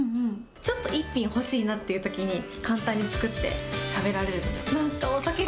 ちょっと１品ほしいなっていうときに簡単に作って食べられるのが。